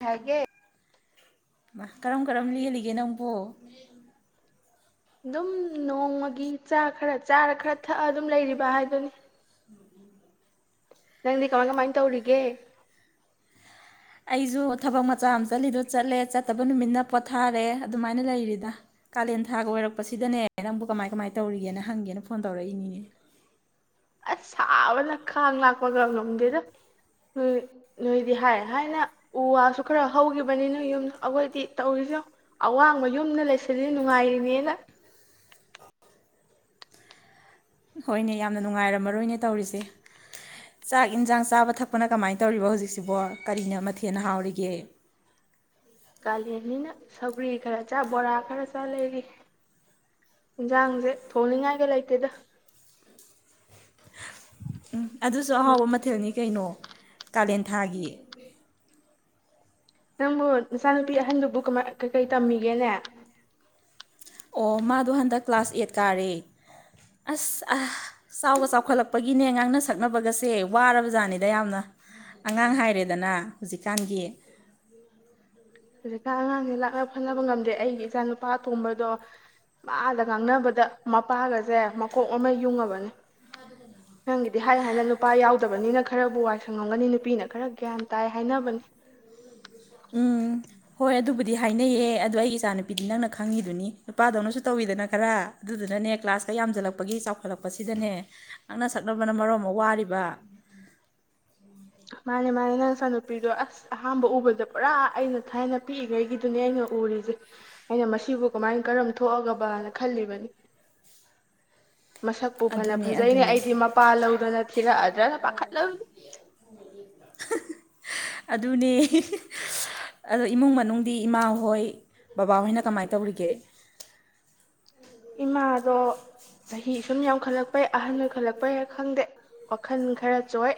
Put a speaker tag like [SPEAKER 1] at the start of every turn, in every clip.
[SPEAKER 1] ꯍꯥꯒꯦ
[SPEAKER 2] ꯀꯔꯝ ꯀꯔꯝ ꯂꯦꯜꯂꯤꯒꯦ ꯅꯪꯕꯣ
[SPEAKER 1] ꯑꯗꯨꯝ ꯅꯣꯡꯃꯒꯤ ꯆꯥ ꯈꯔ ꯆꯥꯔ ꯈꯔ ꯊꯛꯑ ꯗꯨꯝ ꯂꯩꯔꯤꯕ ꯍꯥꯏꯗꯨꯅꯤ ꯅꯪꯗꯤ ꯀꯃꯥꯏ ꯀꯃꯥꯏꯟ ꯇꯧꯔꯤꯒꯦ
[SPEAKER 2] ꯑꯩꯖꯨ ꯊꯕꯛ ꯃꯆꯥ ꯑꯃ ꯆꯠꯂꯤꯗꯣ ꯆꯠꯂꯦ ꯆꯠꯇꯕ ꯅꯨꯃꯤꯠꯅ ꯄꯣꯊꯥꯔꯦ ꯑꯗꯨꯃꯥꯏꯅ ꯂꯩꯔꯤꯗ ꯀꯥꯂꯦꯟ ꯊꯥꯒ ꯑꯣꯏꯔꯛꯄꯁꯤꯗꯅꯦ ꯅꯪꯕꯨ ꯀꯃꯥꯏ ꯀꯃꯥꯏꯅ ꯇꯧꯔꯤꯒꯦꯅ ꯍꯪꯒꯦꯅ ꯐꯣꯟ ꯇꯧꯔꯛꯏꯅꯤꯅꯦ
[SPEAKER 1] ꯑꯁ ꯁꯥꯕꯅ ꯈꯥꯡ ꯂꯥꯛꯄꯒ ꯉꯝꯗꯦꯗ ꯍꯩ ꯅꯣꯏꯗꯤ ꯍꯥꯏ ꯍꯥꯏꯅ ꯎ ꯋꯥꯁꯨ ꯈꯔ ꯍꯧꯒꯤꯕꯅꯤ ꯅꯣꯏ ꯌꯨꯝꯗꯣ ꯑꯒꯣꯏꯗꯤ ꯇꯧꯔꯤꯖ ꯌꯦꯡꯋ ꯑꯋꯥꯡꯕ ꯌꯨꯝꯗ ꯂꯩꯁꯜꯂꯤ ꯅꯨꯡꯉꯥꯏꯔꯤꯅꯦꯅ
[SPEAKER 2] ꯍꯣꯏꯅꯦ ꯌꯥꯝꯅ ꯅꯨꯡꯉꯥꯏꯔꯝꯃꯔꯣꯏꯅꯦ ꯇꯧꯔꯤꯁꯦ ꯆꯥꯛ ꯏꯟꯖꯥꯡ ꯆꯥꯕ ꯊꯛꯄꯅ ꯀꯃꯥꯏꯟ ꯇꯧꯔꯤꯕꯣ ꯍꯧꯖꯤꯛꯁꯤꯕꯣ ꯀꯔꯤꯅ ꯃꯊꯦꯜ ꯍꯥꯎꯔꯤꯒꯦ
[SPEAKER 1] ꯀꯥꯂꯦꯟꯅꯤꯅ ꯁꯧꯒ꯭ꯔꯤ ꯈꯔ ꯆ ꯕꯣꯔꯥ ꯈꯔ ꯆꯥ ꯂꯩꯔꯤ ꯏꯟꯖꯥꯡꯁꯦ ꯊꯣꯡꯅꯤꯡꯉꯥꯏꯒ ꯂꯩꯇꯦꯗ
[SPEAKER 2] ꯎꯝ ꯑꯗꯨꯁꯨ ꯑꯍꯥꯎꯕ ꯃꯊꯦꯜꯅꯤ ꯀꯩꯅꯣ ꯀꯥꯂꯦꯟ ꯊꯥꯒꯤ
[SPEAKER 1] ꯅꯪꯕꯨ ꯅꯆꯥꯅꯨꯄꯤ ꯑꯍꯟꯗꯨꯕꯨ ꯀꯃꯥꯏ ꯀꯀꯩ ꯇꯝꯃꯤꯒꯦꯅꯦ
[SPEAKER 2] ꯑꯣ ꯃꯥꯗꯣ ꯍꯟꯗꯛ ꯀ꯭ꯂꯥꯁ ꯑꯦꯠ ꯀꯥꯔꯦ ꯑꯁ ꯑ ꯆꯥꯎꯒ ꯆꯥꯎꯈꯠꯂꯛꯄꯒꯤꯅꯦ ꯉꯥꯡꯅ ꯁꯛꯅꯕꯒꯁꯦ ꯋꯥꯔꯕ ꯖꯥꯠꯅꯤꯗ ꯌꯥꯝꯅ ꯑꯉꯥꯡ ꯍꯥꯏꯔꯦꯗꯅ ꯍꯧꯖꯤꯛꯀꯥꯟꯒꯤ
[SPEAKER 1] ꯍꯧꯖꯤꯛꯀꯥ ꯑꯉꯥꯡꯁꯤ ꯂꯥꯛ ꯈ ꯐꯥꯅꯕ ꯉꯝꯗꯔꯤ ꯑꯩꯒꯤ ꯏꯆꯥꯅꯨꯞ ꯑ ꯇꯨꯝꯕꯗꯣ ꯃꯥꯗ ꯉꯥꯡꯅꯕꯗ ꯃꯄꯥꯒꯖꯦ ꯃꯀꯣꯛ ꯃꯃꯩ ꯌꯨꯡꯉꯕꯅꯤ ꯅꯪꯒꯤꯗꯤ ꯍꯥꯏ ꯍꯥꯏꯅ ꯅꯨꯄꯥ ꯌꯥꯎꯗꯕꯅꯤꯅ ꯈꯔꯕꯨ ꯋꯥꯏꯁꯪꯉꯝꯒꯅꯤ ꯅꯨꯄꯤꯅ ꯈꯔ ꯒ꯭ꯌꯥꯟ ꯇꯥꯏ ꯍꯥꯏꯅꯕꯅꯤ
[SPEAKER 2] ꯎꯝ ꯍꯣꯏ ꯑꯗꯨꯕꯨꯗꯤ ꯍꯥꯏꯅꯩꯌꯦ ꯑꯗꯨ ꯑꯩꯒꯤ ꯏꯆꯥꯅꯨꯄꯤꯗꯤ ꯅꯪꯅ ꯈꯪꯉꯤꯗꯨꯅꯤ ꯅꯨꯄꯥꯗꯧꯅꯁꯨ ꯇꯧꯋꯤꯗꯅ ꯈꯔ ꯑꯗꯨꯗꯨꯅꯅꯦ ꯀ꯭ꯂꯥꯁꯀ ꯌꯥꯝꯖꯤꯜꯂꯛꯄꯒꯤ ꯆꯥꯎꯈꯠꯂꯛꯄꯁꯤꯗꯅꯦ ꯑꯩꯅ ꯁꯛꯅꯕꯅ ꯃꯔꯣ ꯑꯃ ꯋꯥꯔꯤꯕ
[SPEAKER 1] ꯃꯥꯅꯦ ꯃꯥꯅꯦ ꯅꯪꯆꯥꯅꯨꯄꯤꯗꯣ ꯑꯁ ꯑꯍꯥꯥꯟꯕ ꯎꯕꯗ ꯄꯨꯔꯥ ꯑꯩꯅ ꯊꯥꯏꯅ ꯄꯤꯛꯏꯉꯩꯒꯤꯗꯨꯅꯦ ꯑꯩꯅ ꯎꯔꯤꯖꯦ ꯑꯩꯅ ꯃꯁꯤꯕꯨ ꯀꯃꯥꯏ ꯀꯔꯝ ꯊꯣꯛꯑꯒꯕꯑꯅ ꯈꯜꯂꯤꯕꯅꯤ ꯃꯁꯛꯄꯨ ꯐꯅ
[SPEAKER 2] ꯑꯗꯨꯅꯦ
[SPEAKER 1] ꯐꯖꯩꯅꯦ
[SPEAKER 2] ꯑꯗꯨꯅꯤ
[SPEAKER 1] ꯑꯩꯗꯤ ꯃꯄꯥꯥꯟ ꯂꯧꯗꯅ ꯊꯤꯔꯛꯑꯗ꯭ꯔꯅ ꯄꯥꯈꯠꯂꯝꯏ
[SPEAKER 2] ꯍ ꯑ ꯑꯗꯨꯅꯦ ꯏꯍꯤ ꯍ ꯑꯗꯣ ꯏꯃꯨꯡ ꯃꯅꯨꯡꯗꯤ ꯏꯃꯥꯍꯣꯏ ꯕꯕꯥꯍꯣꯏꯅ ꯀꯃꯥꯏꯅ ꯇꯧꯔꯤꯒꯦ
[SPEAKER 1] ꯏꯃꯥꯗꯣ ꯆꯍꯤ ꯁꯨꯝ ꯌꯥꯝꯈꯠꯂꯛꯄꯩ ꯑꯍꯟ ꯑꯣꯏꯈꯠꯂꯛꯄꯩ ꯈꯪꯗꯦ ꯋꯥꯈꯜ ꯈꯔ ꯆꯣꯏ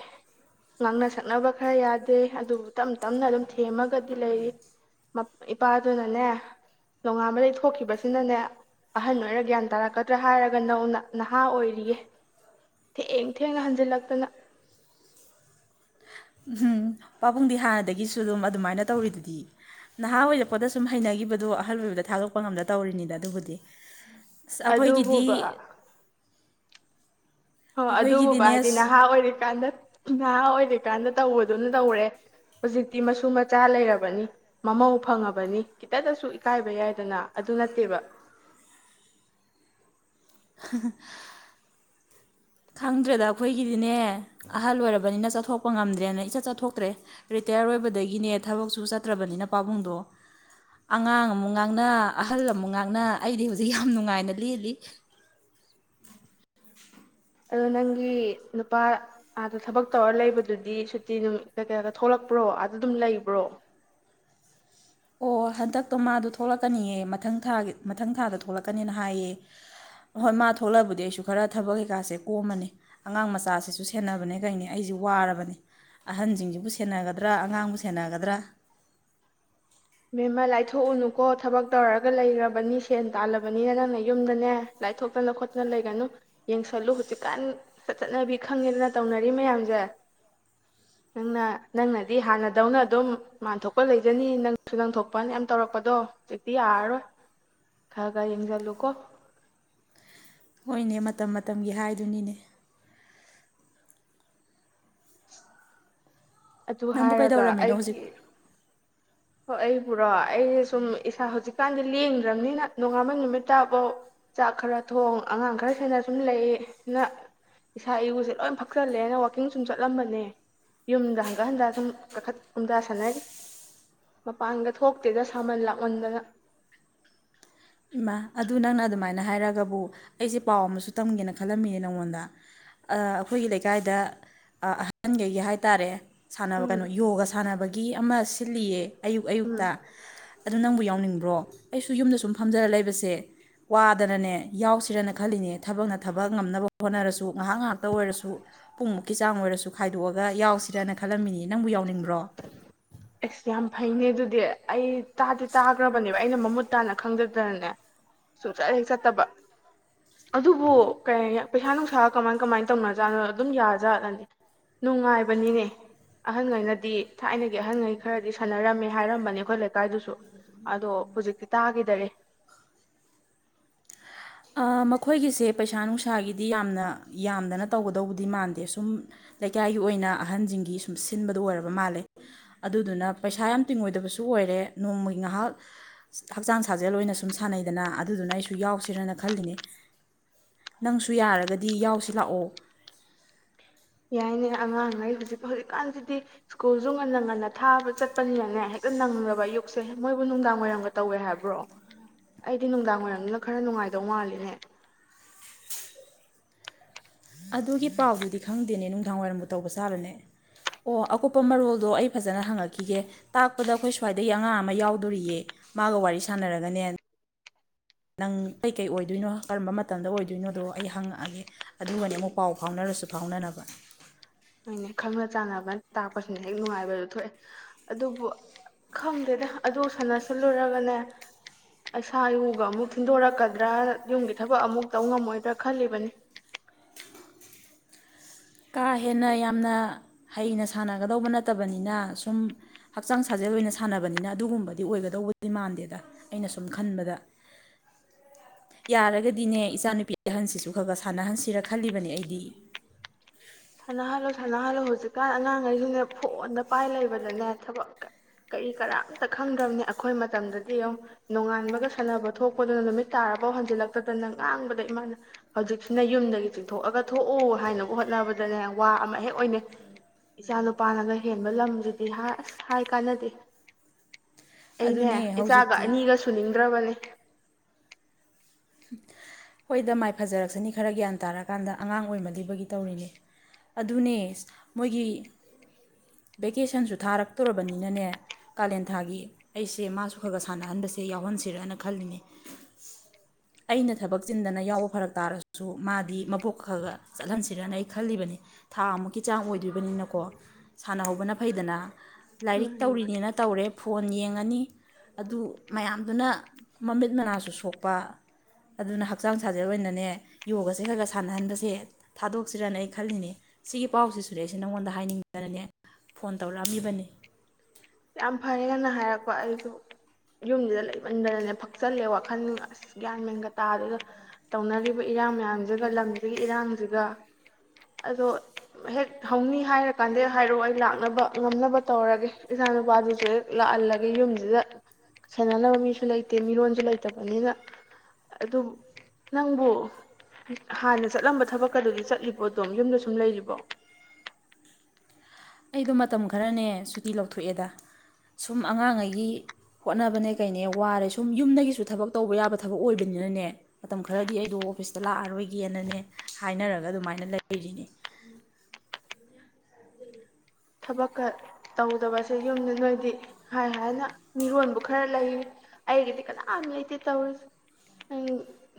[SPEAKER 1] ꯉꯥꯡꯅ ꯁꯛꯅꯕ ꯈꯔ ꯌꯥꯗꯦ ꯑꯗꯨꯕꯨ ꯇꯞ ꯇꯞꯅ ꯑꯗꯨꯝ ꯊꯦꯝꯃꯒꯗꯤ ꯂꯩꯔꯤ ꯃꯞ ꯏꯄꯥꯗꯨꯅꯅꯦ ꯅꯣꯡꯉꯥꯟꯕꯗꯒꯩ ꯊꯣꯛꯈꯤꯕꯁꯤꯅꯅꯦ ꯑꯍꯟ ꯑꯣꯏꯔ ꯒ꯭ꯌꯥꯟ ꯇꯥꯔꯛꯀꯗ꯭ꯔꯥ ꯍꯥꯏꯔꯒ ꯅꯧꯅ ꯅꯍꯥ ꯑꯣꯏꯔꯤꯌꯦ ꯊꯦꯡ ꯊꯦꯡꯅ ꯍꯟꯖꯤꯜꯂꯛꯇꯅ
[SPEAKER 2] ꯑꯍꯝ ꯄꯥꯕꯨꯡꯗꯤ ꯍꯥꯟꯅꯗꯒꯤꯁꯨ ꯑꯗꯨꯝ ꯑꯗꯨꯃꯥꯏꯅ ꯇꯧꯔꯤꯗꯨꯗꯤ ꯅꯍꯥ ꯑꯣꯏꯔꯛꯄꯗ ꯁꯨꯝ ꯍꯩꯅꯒꯥꯕꯗꯣ ꯑꯍꯜ ꯑꯣꯏꯕꯗ ꯊꯥꯗꯣꯛꯄ ꯉꯝꯗ ꯇꯧꯔꯤꯅꯤꯗ ꯑꯗꯨꯕꯨꯗꯤ ꯑꯁ
[SPEAKER 1] ꯑꯗꯨꯕꯨꯕ
[SPEAKER 2] ꯑꯩꯈꯣꯏꯒꯤꯗꯤ
[SPEAKER 1] ꯍ ꯑꯗꯨꯕꯨꯕ
[SPEAKER 2] ꯑꯩꯈꯣꯏꯒꯤꯗꯤꯅꯦ
[SPEAKER 1] ꯍꯥꯏꯗꯤ
[SPEAKER 2] ꯑꯁ
[SPEAKER 1] ꯅꯍꯥ ꯑꯣꯏꯔꯤꯀꯥꯟꯗ ꯅꯍꯥ ꯑꯣꯏ ꯔꯤ ꯀꯥꯟꯗ ꯇꯧꯕꯗꯨꯅ ꯇꯧꯔꯦ ꯍꯨꯖꯤꯛꯇꯤ ꯃꯁꯨ ꯃꯆꯥ ꯂꯩꯔꯕꯅꯤ ꯃꯃꯧ ꯐꯪꯉꯕꯅꯤ ꯈꯤꯇꯗꯁꯨ ꯏꯀꯥꯏꯕ ꯌꯥꯏꯗꯅ ꯑꯗꯨ ꯅꯠꯇꯦꯕ
[SPEAKER 2] ꯍ ꯍ ꯈꯪꯗ꯭ꯔꯦꯗ ꯑꯈꯣꯏꯒꯤꯗꯤꯅꯦ ꯑꯍꯜ ꯑꯣꯏꯔꯕꯅꯤꯅ ꯆꯠꯊꯣꯛꯄ ꯉꯝꯗ꯭ꯔꯦꯅ ꯏꯆꯠ ꯆꯠꯊꯣꯛꯇ꯭ꯔꯦ ꯔꯤꯇꯥꯌꯔ ꯑꯣꯏꯕꯗꯒꯤꯅꯦ ꯊꯕꯛꯁꯨ ꯆꯠꯇ꯭ꯔꯕꯅꯤꯅ ꯄꯥꯕꯨꯡꯗꯣ ꯑꯉꯥꯡ ꯑꯃꯨꯛ ꯉꯥꯡꯅ ꯑꯍꯜ ꯑꯃꯨꯛ ꯉꯥꯡꯅ ꯑꯩꯗꯤ ꯍꯧꯖꯤꯛ ꯌꯥꯝ ꯅꯨꯡꯉꯥꯏꯅ ꯂꯦꯜꯂꯤ
[SPEAKER 1] ꯑꯗꯣ ꯅꯪꯒꯤ ꯅꯨꯄꯥ ꯑꯥꯗꯥ ꯊꯕꯛ ꯇꯧꯔ ꯂꯩꯕꯗꯨꯗꯤ ꯁꯨꯇꯤ ꯅꯨꯝ ꯀꯩꯀꯩꯌꯒ ꯊꯣꯛꯂꯛꯄ꯭ꯔꯣ ꯑꯗꯥꯗꯨꯝ ꯂꯩꯕ꯭ꯔꯣ
[SPEAKER 2] ꯑꯣ ꯍꯟꯗꯛꯇꯣ ꯃꯥꯗꯣ ꯊꯣꯛꯂꯛꯀꯅꯤꯌꯦ ꯃꯊꯪ ꯊꯥꯒꯤ ꯃꯊꯪ ꯊꯥꯗ ꯊꯣꯛꯂꯛꯀꯅꯤꯅ ꯍꯥꯏꯑꯦ ꯍꯣꯏ ꯃꯥ ꯊꯣꯛꯂꯑꯕꯨꯗꯤ ꯑꯩꯁꯨ ꯈꯔ ꯊꯕꯛ ꯀꯩꯀꯥꯁꯦ ꯀꯣꯝꯃꯅꯤ ꯑꯉꯥꯡ ꯃꯆꯥꯁꯤꯁꯨ ꯁꯦꯟꯅꯕꯅꯦ ꯀꯩꯅꯤ ꯑꯩꯁꯤ ꯋꯥꯔꯕꯅꯤ ꯑꯍꯟꯖꯤꯡꯁꯖꯤꯕꯨ ꯁꯦꯟꯅꯒꯗ꯭ꯔꯥ ꯑꯉꯥꯡꯕꯨ ꯁꯦꯟꯅꯒꯗ꯭ꯔꯥ
[SPEAKER 1] ꯃꯦꯝꯃ ꯂꯥꯏꯊꯣꯛꯎꯅꯨꯀꯣ ꯊꯕꯛ ꯇꯧꯔꯒ ꯂꯩꯈ꯭ꯔꯔꯕꯅꯤ ꯁꯦꯟ ꯇꯥꯜꯂꯕꯅꯤꯅ ꯅꯪꯅ ꯌꯨꯝꯗꯅꯦ ꯂꯥꯏꯊꯣꯛꯇꯅ ꯈꯣꯠꯇꯅ ꯂꯩꯒꯅꯨ ꯌꯦꯡꯁꯜꯂꯨ ꯍꯧꯖꯤꯛꯀꯥꯟ ꯆꯠ ꯆꯠꯅꯕꯤ ꯈꯪꯉꯦꯗꯅ ꯇꯧꯅꯔꯤ ꯃꯌꯥꯝꯖꯦ ꯅꯪꯅ ꯅꯪꯅꯗꯤ ꯍꯥꯟꯅꯗꯧꯅ ꯑꯗꯨꯝ ꯃꯥꯟꯊꯣꯛꯄ ꯂꯩꯖꯅꯤ ꯅꯪ ꯁꯨ ꯅꯪ ꯊꯣꯛꯄꯅ ꯌꯥꯝ ꯇꯧꯔꯛꯄꯗꯣ ꯆꯛꯇꯤ ꯌꯥꯔꯔꯣꯏ ꯈꯥ ꯈꯥ ꯌꯦꯡꯖꯜꯂꯨꯀꯣ
[SPEAKER 2] ꯍꯣꯏꯅꯦ ꯃꯇꯝ ꯃꯇꯝꯒꯤ ꯍꯥꯏꯗꯨꯅꯤꯅꯦ
[SPEAKER 1] ꯑꯗꯨ
[SPEAKER 2] ꯅꯪꯕꯨ
[SPEAKER 1] ꯍꯥꯏꯔꯒ
[SPEAKER 2] ꯀꯩꯗꯧꯔꯝꯃꯤꯅꯣ ꯍꯧꯖꯤꯛ
[SPEAKER 1] ꯑꯩꯒꯤ ꯍꯣ ꯑꯩꯕꯨꯔꯣ ꯑꯩꯏ ꯁꯨꯝ ꯏꯁꯥ ꯍꯧꯖꯤꯛꯀꯥꯟꯗꯤ ꯂꯦꯡꯗ꯭ꯔꯝꯅꯤꯅ ꯅꯣꯉꯥꯟꯕ ꯅꯨꯃꯤꯠꯇꯕꯧ ꯆꯥꯛ ꯈꯔ ꯊꯣꯡ ꯑꯉꯥꯡ ꯈꯔ ꯁꯦꯟꯅ ꯁꯨꯝ ꯂꯩꯌꯦ ꯅ ꯏꯁꯥ ꯏꯎꯁꯦ ꯂꯣꯏ ꯐꯛꯆꯜꯂꯦꯅ ꯋꯥꯀꯤꯡ ꯁꯨꯝ ꯆꯠꯂꯝꯕꯅꯦ ꯌꯨꯝꯗ ꯍꯟꯒꯠ ꯍꯟꯗ ꯁꯨꯝ ꯀꯛꯈꯠ ꯀꯨꯝꯗꯥ ꯁꯥꯟꯅꯔꯤ ꯃꯄꯥꯟꯒ ꯊꯣꯛꯇꯦꯗ ꯁꯥꯃꯟ ꯂꯥꯛꯃꯟꯗꯅ
[SPEAKER 2] ꯏꯃꯥ ꯑꯗꯨ ꯅꯪꯅ ꯑꯗꯨꯃꯥꯏꯅ ꯍꯥꯏꯔꯒꯕꯨ ꯑꯩꯁꯦ ꯄꯥꯎ ꯑꯃꯁꯨ ꯇꯝꯒꯦꯅ ꯈꯜꯂꯝꯃꯤꯌꯦ ꯅꯪꯉꯣꯟꯗ ꯑ ꯑꯩꯈꯣꯏꯒꯤ ꯂꯩꯀꯥꯏꯗ ꯑꯍꯟꯒꯩꯒꯤ ꯍꯥꯏ ꯇꯔꯦ ꯁꯥꯟꯅꯕ
[SPEAKER 1] ꯎꯝ
[SPEAKER 2] ꯀꯅꯣ ꯌꯣꯒ ꯁꯥꯟꯅꯕꯒꯤ ꯑꯃ ꯁ ꯏ ꯂꯤꯌꯦ ꯑꯌꯨꯛ
[SPEAKER 1] ꯎꯝ
[SPEAKER 2] ꯑꯌꯨꯛꯇ ꯑꯗꯨ ꯅꯪꯕꯨ ꯌꯥꯎꯅꯤꯡ ꯕ꯭ꯔꯣ ꯑꯩꯁꯨ ꯌꯨꯝꯗ ꯁꯨꯝ ꯐꯝꯖꯔ ꯂꯩꯕꯁꯦ ꯋꯥꯗꯅꯅꯦ ꯌꯥꯎꯁꯤꯔꯅ ꯈꯜꯂꯤꯅꯦ ꯊꯕꯛꯅ ꯊꯕ ꯉꯝꯅꯕ ꯍꯣꯠꯅꯔꯁꯨ ꯉꯥꯏꯍꯥꯛ ꯉꯥꯏꯍꯥꯛꯇ ꯑꯣꯏꯔꯁꯨ ꯄꯨꯡꯃꯨꯛꯀꯤ ꯆꯥꯡ ꯑꯣꯏꯔꯁꯨ ꯈꯥꯏ ꯣꯛꯑꯒ ꯌꯥꯎꯁꯤꯔꯅ ꯈꯜꯂꯝꯃꯤꯅꯤ ꯅꯪꯕꯨ ꯌꯥꯎꯅꯤꯡꯕ
[SPEAKER 1] ꯑꯦꯁ ꯌꯥꯝ ꯐꯩꯅꯦ ꯑꯗꯨ ꯗꯤ ꯑꯩ ꯇꯥꯗꯦ ꯇꯥꯈ꯭ꯔꯕꯅꯦꯕ ꯑꯩꯅ ꯃꯃꯨꯠ ꯇꯥꯅ ꯈꯪꯖꯗꯅꯅꯦ ꯁꯨꯡꯆꯠ ꯍꯦꯛ ꯆꯠꯇꯕ ꯑꯗꯨꯕꯨ ꯀꯩ ꯄꯩꯁꯥ ꯅꯨꯡꯁꯥ ꯀꯃꯥꯏ ꯀꯃꯥꯏꯅ ꯇꯧꯅꯖꯥꯠꯅꯣ ꯑꯗꯨꯝ ꯌꯥꯖꯥꯠꯂꯅꯤ ꯅꯨꯡꯉꯥꯏꯕꯅꯤꯅꯦ ꯑꯍꯟꯈꯩꯅ ꯗꯤ ꯊꯥꯏꯅꯒꯤ ꯑꯍꯟꯉꯩ ꯈꯔꯗꯤ ꯁꯥꯟꯅꯔꯝꯃꯦ ꯍꯥꯏꯔꯝꯕꯅꯤ ꯑꯩꯈꯣꯏ ꯂꯩꯀꯥꯏꯗꯨꯁꯨ ꯑꯗꯣ ꯍꯧꯖꯤꯛꯇꯤ ꯇꯥꯈꯤꯗꯔꯦ
[SPEAKER 2] ꯃꯈꯣꯏꯒꯤꯁꯦ ꯄꯩꯁꯥ ꯅꯨꯡꯁꯥꯒꯤꯗꯤ ꯌꯥꯝꯅ ꯌꯥꯝꯗꯅ ꯇꯧꯒꯗꯕꯨꯗꯤ ꯃꯥꯟꯗꯦ ꯁꯨꯝ ꯂꯩꯀꯥꯏꯒꯤ ꯑꯣꯏꯅ ꯑꯍꯟꯁꯤꯡꯒꯤ ꯁꯨꯝ ꯁꯤꯟꯕꯗ ꯑꯣꯏꯔꯕ ꯃꯥꯜꯂꯦ ꯑꯗꯨꯗꯨꯅ ꯄꯩꯁꯥ ꯌꯥꯝ ꯇꯤꯡꯉꯣꯏꯗꯕꯁꯨ ꯑꯣꯏꯔꯦ ꯅꯣꯡꯃꯒꯤ ꯉꯥꯏꯍꯥꯛ ꯍꯛꯆꯥꯡ ꯁꯥꯖꯦꯜ ꯑꯣꯏꯅ ꯁꯨꯝ ꯁꯥꯟꯅꯩꯗꯅ ꯑꯗꯨꯗꯨꯅ ꯑꯩꯁꯨ ꯌꯥꯎꯁꯤꯔꯅ ꯈꯜꯂꯤꯅꯦ ꯅꯪꯁꯨ ꯌꯥꯔꯒꯗꯤ ꯌꯥꯎꯁꯤ ꯂꯥꯛꯑꯣ
[SPEAKER 1] ꯌꯥꯏꯅꯦ ꯑꯉꯥꯡꯉꯩ ꯍꯧꯖꯤꯛ ꯍꯧꯖꯤꯛꯀꯥꯟꯁꯤꯗꯤ ꯁ꯭ꯀꯨꯜꯁꯨ ꯉꯟꯅ ꯉꯟꯅ ꯊꯥꯕ ꯆꯠꯄꯅꯤꯅꯅꯦ ꯍꯦꯛꯇ ꯅꯪꯕ ꯑꯌꯨꯛꯁꯦ ꯃꯣꯏꯕꯨ ꯅꯨꯡꯗꯥꯡ ꯋꯥꯏꯔꯝꯒ ꯇꯧꯋꯦ ꯍꯥꯏꯕ꯭ꯔꯣ ꯑꯩꯗꯤ ꯅꯨꯡꯗꯥꯡ ꯋꯥꯏꯔꯝꯗꯨꯅ ꯈꯔ ꯅꯨꯡꯉꯥꯏꯗꯧ ꯃꯥꯜꯂꯤꯅꯦ
[SPEAKER 2] ꯑꯗꯨꯒꯤ ꯄꯥꯎꯗꯨꯗꯤ ꯈꯪꯗꯦꯅꯦ ꯅꯨꯡꯗꯥꯡꯋꯥꯏꯔꯝꯕꯨ ꯇꯧꯕ ꯁꯥꯥꯕꯅꯦ ꯑꯣ ꯑꯀꯨꯞꯄ ꯃꯔꯣꯜꯗꯣ ꯑꯩ ꯐꯖꯅ ꯍꯪꯉꯛꯈꯤꯒꯦ ꯇꯥꯛꯄꯗ ꯑꯩꯈꯣꯏ ꯁ꯭ꯋꯥꯏꯗꯗꯒꯤ ꯑꯉꯥꯡ ꯑꯃ ꯌꯥꯎꯗꯣꯔꯤꯌꯦ ꯃꯥꯒ ꯋꯥꯔꯤ ꯁꯥꯟꯅꯔꯒꯅꯦ ꯅꯪ ꯀꯩꯀꯩ ꯑꯣꯏꯗꯣꯏꯅꯣ ꯀꯔꯝꯕ ꯃꯇꯝꯗ ꯑꯣꯏꯗꯣꯏꯅꯣꯗꯣ ꯑꯩ ꯍꯪꯉꯛꯑꯒꯦ ꯑꯗꯨꯃꯗꯤ ꯑꯃꯨꯛ ꯄꯥꯎ ꯐꯥꯎꯅꯔꯁꯨ ꯐꯥꯎꯅꯅꯕ
[SPEAKER 1] ꯍꯥꯏꯣꯏꯅꯦ ꯈꯪꯅ ꯆꯥꯟꯅꯕ ꯇꯥꯛꯄꯁꯤꯅ ꯍꯦꯛ ꯅꯨꯡꯉꯥꯏꯕꯗꯨ ꯊꯣꯛꯑꯦ ꯑꯗꯨꯕꯨ ꯈꯪꯗꯦꯗ ꯑꯗꯨ ꯁꯥꯟꯅꯁꯤꯜꯂꯨꯔꯒꯅꯦ ꯏꯁꯁꯥ ꯏꯨꯒ ꯑꯃꯨꯛ ꯊꯤꯟꯗꯣꯔꯛꯀꯗ꯭ꯔꯥ ꯌꯨꯝꯒꯤ ꯊꯕꯛ ꯑꯃꯨꯛ ꯇꯧ ꯉꯝꯃꯣꯏꯗ꯭ꯔꯥ ꯈꯜꯂꯤꯕꯅꯤ
[SPEAKER 2] ꯀꯥ ꯍꯦꯟꯅ ꯌꯥꯝꯅ ꯍꯩꯅ ꯁꯥꯟꯅꯒꯗꯧꯕ ꯅꯠꯇꯕꯅꯤꯅ ꯁꯨꯝ ꯍꯛꯆꯥꯡ ꯁꯥꯖꯦꯜ ꯑꯣꯏꯅ ꯁꯥꯟꯅꯕꯅꯤꯅ ꯑꯗꯨꯒꯨꯝꯕꯗꯤ ꯑꯣꯏꯒꯗꯧꯕꯗꯤ ꯃꯥꯟꯗꯦꯗ ꯑꯩꯅ ꯁꯨꯝ ꯈꯟꯕꯗ ꯌꯥꯔꯒꯗꯤꯅꯦ ꯏꯆꯥꯅꯨꯄꯤ ꯑꯍꯟꯁꯤꯁꯨ ꯈꯔ ꯈꯔ ꯁꯥꯟꯅꯍꯟꯁꯤꯔ ꯈꯜꯂꯤꯕꯅꯦ ꯑꯩꯗꯤ
[SPEAKER 1] ꯁꯥꯟꯅꯍꯜꯂꯨ ꯁꯥꯟꯅꯍꯜꯂꯨ ꯍꯧꯖꯤꯛꯀꯥꯟ ꯑꯉꯥꯡꯈꯩꯁꯤꯡꯅ ꯐꯣꯟꯗ ꯄꯥꯏ ꯂꯩꯕꯗꯅꯦ ꯊꯕꯛ ꯀꯔꯤ ꯀꯔꯝꯇ ꯈꯪꯗ꯭ꯔꯕꯅꯦ ꯑꯩꯈꯣꯏ ꯃꯇꯝꯗꯗꯤ ꯑꯃ ꯅꯣꯡꯉꯥꯟꯕꯒ ꯁꯥꯟꯅꯕ ꯊꯣꯛꯄꯗꯨꯅ ꯅꯨꯃꯤꯠ ꯇꯥꯔꯕꯥꯎ ꯍꯟꯖꯤꯜꯂꯛꯇꯗꯅ ꯉꯥꯡꯕꯗ ꯏꯃꯥꯅ ꯍꯧꯖꯤꯛꯁꯤꯅ ꯌꯨꯝꯗꯒꯤ ꯆꯤꯡꯊꯣꯛꯑꯒ ꯊꯣꯛꯎ ꯍꯥꯏꯅꯕ ꯍꯣꯠꯅꯕꯗ ꯑꯗꯨꯅꯦ ꯋꯥ ꯑꯃ ꯍꯦꯛ ꯑꯣꯏꯅꯩ ꯏꯆꯥ ꯅꯨꯄꯥꯅꯒ ꯍꯦꯟꯕ ꯂꯝꯁꯤꯗꯤ ꯑ ꯑꯁ ꯍꯥꯏ ꯀꯥꯟꯅꯗꯦ ꯑꯩꯅꯦ
[SPEAKER 2] ꯑꯗꯨꯅꯦ
[SPEAKER 1] ꯏꯆꯥꯒ
[SPEAKER 2] ꯍꯧꯖꯤꯛꯇꯤ
[SPEAKER 1] ꯑꯅꯤꯒ ꯁꯨꯅꯤꯡꯗ꯭ꯔꯕꯅꯦ
[SPEAKER 2] ꯍꯣꯏꯗ ꯃꯥꯏ ꯐꯖꯔꯛꯁꯅꯤ ꯈꯔ ꯒ꯭ꯌꯥꯟ ꯇꯥꯔꯀꯥꯟꯗ ꯑꯉꯥꯡ ꯑꯣꯏꯃꯗꯤꯕꯒꯤ ꯇꯧꯔꯤꯅꯦ ꯑꯗꯨꯅꯦ ꯃꯣꯏꯒꯤ ꯚꯦꯀꯦꯁꯟꯁꯨ ꯊꯥꯔꯛꯇꯣꯔꯕꯅꯤꯅꯅꯦ ꯀꯥꯂꯦꯟ ꯊꯥꯒꯤ ꯑꯩꯁꯦ ꯃꯥꯁꯨ ꯈꯔ ꯈꯔ ꯁꯥꯟꯅꯍꯟꯕꯁꯦ ꯌꯥꯎꯍꯟꯁꯤꯔꯅ ꯈꯜꯂꯤꯅꯦ ꯑꯩꯅ ꯊꯕꯛ ꯆꯤꯟꯗꯅ ꯌꯥꯎꯕ ꯐꯔꯛ ꯇꯥꯔꯁꯨ ꯃꯥꯗꯤ ꯃꯕꯣꯛ ꯈꯔ ꯈ ꯆꯠꯍꯟꯁꯤꯔꯅ ꯑꯩ ꯈꯜꯂꯤꯕꯅꯤ ꯊꯥ ꯑꯃꯨꯛꯀꯤ ꯆꯥꯡ ꯑꯣꯏꯗ꯭ꯔꯤꯕꯅꯤꯅꯀꯣ ꯁꯥꯟꯅꯍꯧꯕꯅ ꯐꯩꯗꯅ ꯂꯥꯏꯔꯤꯛ
[SPEAKER 1] ꯃꯥꯅꯤ
[SPEAKER 2] ꯇꯧꯔꯤꯅꯦꯅ ꯇꯧꯔꯦ ꯐꯣꯟ ꯌꯦꯡ ꯐꯪꯉꯅꯤ ꯑꯗꯨ ꯃꯌꯥꯝꯗꯨꯅ ꯃꯃꯤꯠ ꯃꯅꯥꯁꯨ ꯁꯣꯛꯄ ꯑꯗꯨꯅ ꯍꯛꯆꯥꯡ ꯁꯥꯖꯕ ꯑꯣꯏꯅꯅꯦ ꯌꯣꯒꯁꯦ ꯈꯔ ꯈꯔ ꯁꯥꯟꯅꯍꯟꯕꯁꯦ ꯊꯥꯗꯣꯛꯁꯤꯔꯅ ꯑꯩ ꯈꯜꯂꯤꯅꯦ ꯁꯤꯒꯤ ꯄꯥꯎꯁꯤꯁꯨꯅꯦ ꯑꯩꯁꯦ ꯅꯉꯣꯟꯗ ꯍꯥꯏꯅꯤꯡꯗꯅꯅꯦ ꯐꯣꯟ ꯇꯧꯔꯛꯑꯝꯃꯤꯕꯅꯤ
[SPEAKER 1] ꯌꯥꯝ ꯐꯔꯦ ꯍꯥꯏꯅ ꯍꯥꯏꯔꯛꯄ ꯑꯩꯁꯨ ꯌꯨꯝꯗꯨꯗ ꯂꯩꯃꯟꯗꯅꯅꯦ ꯐꯛꯆꯜꯂꯦ ꯋꯥꯈꯜ ꯑꯁ ꯒ꯭ꯌꯥꯟ ꯃꯦꯟꯒ ꯇꯥꯗꯒ ꯇꯧꯅꯔꯤꯕ ꯏꯔꯥꯡ ꯃꯌꯥꯝꯁꯤꯒ ꯂꯝꯁꯤꯒꯤ ꯏꯔꯥꯡꯁꯤꯒ ꯑꯗꯣ ꯍꯦꯛ ꯍꯧꯅꯤ ꯍꯥꯏꯔꯀꯥꯟꯗꯦꯛ ꯍꯥꯏꯔꯛꯑꯣ ꯑꯩ ꯂꯥꯛꯅꯕ ꯉꯝꯅꯕ ꯇꯧꯔꯒꯦ ꯏꯆꯥ ꯅꯨꯄꯥꯗꯨꯁꯨ ꯍꯦꯛ ꯂꯥꯛꯍꯜꯂꯒꯦ ꯌꯨꯝꯁꯤꯗ ꯁꯦꯟꯅꯅꯕ ꯃꯤꯁꯨ ꯂꯩꯇꯦ ꯃꯤꯔꯣꯟꯁꯨ ꯂꯩꯇꯕꯅꯤꯅ ꯑꯗꯨ ꯅꯪꯕꯨ ꯍꯥꯟꯅ ꯆꯠꯂꯝꯕ ꯊꯕꯛꯀ ꯑꯗꯨꯗꯤ ꯆꯠꯂꯤꯕꯣ ꯑꯗꯨꯝ ꯌꯨꯝꯗ ꯁꯨꯝ ꯂꯩꯔꯤꯕꯣ
[SPEAKER 2] ꯑꯩꯗꯣ ꯃꯇꯝ ꯈꯔꯅꯦ ꯁꯨꯇꯤ ꯂꯧꯊꯣꯛꯑꯦꯗ ꯁꯨꯝ ꯑꯉꯥꯡꯉꯩꯒꯤ ꯍꯣꯠꯅꯕꯅꯦ ꯀꯩꯅꯦ ꯋꯥꯔꯦ ꯁꯨꯝ ꯌꯨꯝꯗꯒꯤꯁꯨ ꯊꯕꯛ ꯇꯧꯕ ꯌꯥꯕ ꯊꯕꯛ ꯑꯣꯏꯕꯅꯤꯅꯅꯦ ꯃꯇꯝ ꯈꯔꯗꯤ ꯑꯩꯗꯣ ꯑꯣꯐꯤꯁꯇ ꯂꯥꯛꯑꯔꯣꯏꯒꯦꯅꯅꯦ ꯍꯥꯏꯅꯔꯒ ꯑꯗꯨꯃꯥꯏꯅ ꯂꯩꯔꯤꯅꯦ
[SPEAKER 1] ꯊꯕꯛꯀ ꯇꯧꯗꯕꯁꯦ ꯌꯨꯝꯗ ꯅꯣꯏꯗꯤ ꯍꯥꯏ ꯍꯥꯏꯅ ꯃꯤꯔꯣꯟꯕꯨ ꯈꯔ ꯂꯩ ꯑꯩꯒꯤꯗꯤ ꯀꯅꯥꯝ ꯂꯩꯇꯦ ꯇꯧꯔꯤꯁꯦ ꯅ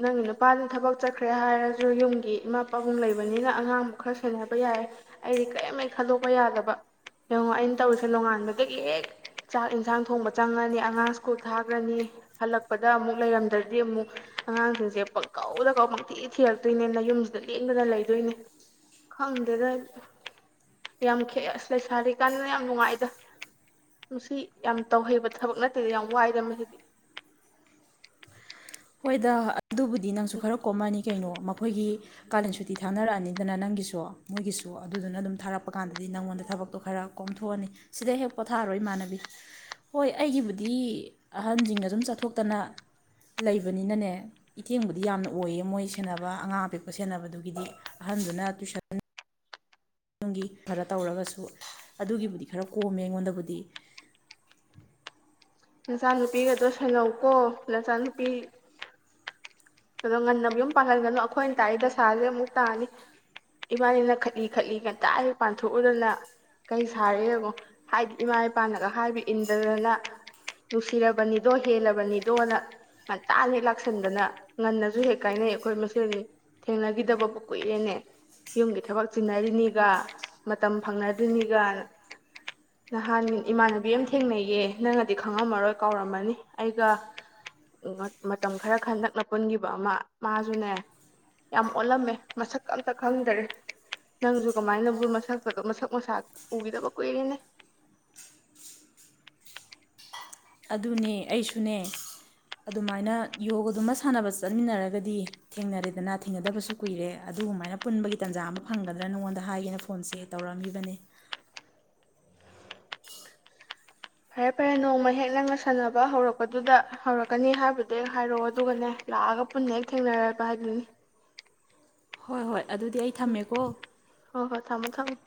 [SPEAKER 1] ꯅꯪꯒꯤ ꯅꯨꯄꯥꯅ ꯊꯕꯛ ꯆꯠꯈ꯭ꯔꯦ ꯍꯥꯏꯔꯁꯨ ꯌꯨꯝꯒꯤ ꯏꯃꯥ ꯄꯥꯕꯨꯡ ꯂꯩꯕꯅꯤꯅ ꯑꯉꯥꯡꯕꯨ ꯈꯔ ꯁꯦꯟꯅꯕ ꯌꯥꯏ ꯑꯩꯗꯤ ꯀꯔꯤꯝꯩ ꯈꯟꯗꯣꯛꯄ ꯌꯥꯗꯕ ꯌꯦꯡꯉꯣ ꯑꯩꯅ ꯇꯧꯔꯤꯁꯦ ꯅꯣꯡꯉꯥꯟꯕꯗꯒꯤ ꯍꯦꯛ ꯆꯥꯛ ꯌꯦꯟꯁꯥꯡ ꯊꯣꯡꯕ ꯆꯪꯉꯅꯤ ꯑꯉꯥꯡ ꯁ꯭ꯀꯨꯜ ꯊꯥꯈ꯭ꯔꯅꯤ ꯍꯜꯂꯛꯄꯗ ꯑꯃꯨꯛ ꯂꯩꯔꯝꯗ꯭ꯔꯗꯤ ꯑꯃꯨꯛ ꯑꯉꯥꯡꯁꯤꯡꯁꯦ ꯄꯪꯀꯧꯗ ꯀꯧ ꯄꯪꯛꯇꯤ ꯊꯤꯔꯛꯇꯣꯏꯅꯦꯅ ꯌꯨꯝꯁꯤꯗ ꯂꯦꯡꯗꯅ ꯂꯩꯗꯣꯏꯅꯦ ꯈꯪꯗꯦꯗ ꯌꯥꯝ ꯈꯦ ꯑꯁ ꯂꯩꯁꯥꯔꯤꯀꯥꯟꯗꯅ ꯌꯥꯝ ꯅꯨꯡꯉꯥꯏꯗ ꯅꯨꯡꯁꯤ ꯌꯥꯝ ꯇꯧꯍꯩꯕ ꯊꯕꯛ ꯅꯠꯇꯦꯗ ꯌꯥꯝ ꯋꯥꯏꯗ ꯃꯁꯤꯗꯤ
[SPEAKER 2] ꯍꯣꯏꯗ ꯑꯗꯨꯕꯨꯗꯤ ꯅꯪꯁꯨ ꯈꯔ ꯀꯣꯝꯃꯅꯤ ꯀꯩꯅꯣ ꯑꯩꯈꯣꯏꯒꯤ ꯀꯥꯂꯦꯟ ꯁꯨꯇꯤ ꯊꯥꯅꯔꯛꯑꯅꯤꯗꯅ ꯅꯪꯒꯤꯁꯨ ꯃꯣꯏꯒꯤꯁꯨ ꯑꯗꯨꯗꯨꯅ ꯑꯗꯨꯝ ꯊꯥꯔꯛꯄ ꯀꯥꯟꯗꯗꯤ ꯅꯪꯉꯣꯟꯗ ꯊꯕꯛꯇꯣ ꯈꯔ ꯀꯣꯝꯊꯣꯛꯑꯅꯤ ꯁꯤꯗ ꯍꯦꯛ ꯄꯣꯊꯥꯔꯔꯣꯏ ꯏꯃꯥꯟꯅꯕꯤ ꯍꯣꯏ ꯑꯩꯒꯤꯕꯨꯗꯤ ꯑꯍꯟꯁꯤꯡꯅ ꯑꯗꯨꯝ ꯆꯠꯊꯣꯛꯇꯅ ꯂꯩꯕꯅꯤꯅꯅꯦ ꯏꯊꯦꯡꯕꯨꯗꯤ ꯌꯥꯝꯅ ꯑꯣꯏꯌꯦ ꯃꯣꯏ ꯁꯦꯟꯅꯕ ꯑꯉꯥꯡ ꯑꯄꯤꯛꯄ ꯁꯦꯟꯅꯕꯗꯨꯒꯤꯗꯤ ꯑꯍꯟꯗꯨꯅ ꯇꯨꯏꯁꯟ ꯒꯤ ꯈꯔ ꯇꯧꯔꯒꯁꯨ ꯑꯗꯨꯒꯤꯕꯨꯗꯤ ꯈꯔ ꯀꯣꯝꯃꯦ ꯑꯩꯉꯣꯟꯗꯕꯨꯗꯤ
[SPEAKER 1] ꯅꯆꯥꯅꯨꯄꯤꯒꯗꯣ ꯁꯜꯍꯧꯀꯣ ꯅꯆꯥꯅꯨꯄꯤ ꯑꯗꯣ ꯉꯟꯅ ꯌꯨꯝ ꯄꯥꯡꯍꯟꯒꯅꯨ ꯑꯩꯈꯣꯏꯅ ꯇꯥꯛꯏ ꯗ ꯁꯥꯥꯁꯦ ꯑꯃꯨꯛ ꯇꯥꯅꯤ ꯏꯃꯥꯅꯦꯅ ꯈꯠꯂꯤ ꯈꯠꯂꯤ ꯉꯟꯇꯥꯗꯤ ꯄꯥꯟꯊꯣꯛꯎꯗꯅ ꯀꯩ ꯁꯥꯔꯤꯕꯣ ꯍꯥꯏꯗꯤ ꯏꯃꯥ ꯏꯄꯥꯅꯒ ꯍꯥꯏꯕ ꯏꯟꯗꯗꯅ ꯅꯨꯡꯁꯤꯔꯕꯅꯤꯗꯣ ꯍꯦꯜꯂꯕꯅꯤꯗꯣꯅ ꯉꯟꯇꯥꯅꯤꯦꯛ ꯂꯥꯛꯁꯟꯗꯅ ꯉꯟꯅꯁꯨ ꯍꯦꯛ ꯀꯥꯏꯅꯩ ꯑꯩꯈꯣꯏ ꯃꯁꯦꯜꯒꯤ ꯊꯦꯡꯅꯈꯤꯗꯕꯕꯨ ꯀꯨꯏꯔꯦꯅꯦ ꯌꯨꯝꯒꯤ ꯊꯕꯛ ꯆꯤꯟꯅꯔꯤꯅꯤꯒ ꯃꯇꯝ ꯐꯪꯅꯗ꯭ꯔꯤꯅꯤꯒ ꯅꯍꯥꯟ ꯏꯃꯥꯟꯅꯕꯤ ꯑꯃ ꯊꯦꯡꯅꯩꯌꯦ ꯅꯪꯅꯗꯤ ꯈꯪꯉꯝꯃꯔꯣꯏ ꯀꯥꯎꯔꯝꯃꯅꯤ ꯑꯩꯒ ꯃꯇꯝ ꯈꯔ ꯈꯟ ꯅꯛꯅꯕ ꯄꯨꯟꯈꯤꯕ ꯑꯃ ꯃꯥꯁꯨꯅꯦ ꯌꯥꯝ ꯑꯣꯜꯂꯝꯃꯦ ꯃꯁꯛ ꯑꯝꯇ ꯈꯪꯗꯔꯦ ꯅꯪꯁꯨ ꯀꯃꯥꯏꯅꯕꯨ ꯃꯁꯛ ꯃꯁꯛ ꯃꯁꯥ ꯎꯈꯤꯗꯕ ꯀꯨꯏꯔꯦꯅꯦ
[SPEAKER 2] ꯑꯗꯨꯅꯦ ꯑꯩꯁꯨꯅꯦ ꯑꯗꯨꯃꯥꯏꯅ ꯌꯣꯒꯗꯨꯃ ꯁꯥꯟꯅꯕ ꯆꯠꯃꯤꯟꯅꯔꯒꯗꯤ ꯊꯦꯡꯅꯔꯦꯗꯅ ꯊꯦꯡꯅꯗꯕꯁꯨ ꯀꯨꯏꯔꯦ ꯑꯗꯨꯒꯃꯥꯏꯅ ꯄꯨꯟꯕꯒꯤ ꯇꯥꯟꯖꯥ ꯑꯃ ꯐꯪꯒꯗ꯭ꯔꯥ ꯅꯉꯣꯟꯗ ꯍꯥꯏꯒꯦꯅ ꯐꯣꯟꯁꯦ ꯇꯧꯔꯝꯃꯤꯕꯅꯦ
[SPEAKER 1] ꯐꯔꯦ ꯐꯔꯦ ꯅꯣꯡꯃ ꯍꯦꯛ ꯅꯪꯒ ꯁꯥꯟꯅꯕ ꯍꯧꯔꯛꯄꯗꯨꯗ ꯍꯧꯔꯛꯀꯅꯤ ꯍꯥꯏꯕꯗꯨ ꯍꯥꯏꯔꯛꯑꯣ ꯑꯗꯨꯒꯅꯦ ꯂꯥꯛꯑꯒ ꯄꯨꯟꯅ ꯍꯦꯛ ꯊꯦꯡꯅꯔꯔꯕ ꯍꯥꯏꯗꯨꯅꯤ
[SPEAKER 2] ꯍꯣꯏ ꯍꯣꯏ ꯑꯗꯨꯗꯤ ꯑꯩ ꯊꯝꯃꯦꯀꯣ
[SPEAKER 1] ꯊꯃꯨ ꯊꯃꯨ